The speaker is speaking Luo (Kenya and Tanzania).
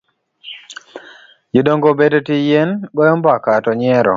Jodongo obet etie yien goyo mbaka to nyiero.